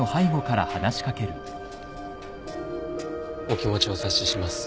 お気持ちお察しします。